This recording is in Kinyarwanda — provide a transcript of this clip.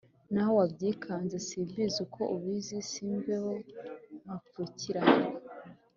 N’aho wabyikanze Si mbizi uko ubizi Simveho mpapfukirana,